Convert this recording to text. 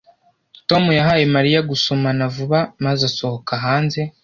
Tom yahaye Mariya gusomana vuba maze asohoka hanze